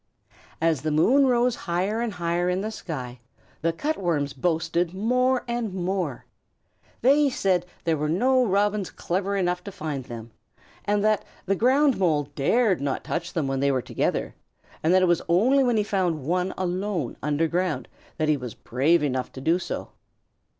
As the moon rose higher and higher in the sky, the Cut Worms boasted more and more. They said there were no Robins clever enough to find them, and that the Ground Mole dared not touch them when they were together, and that it was only when he found one alone underground that he was brave enough to do so.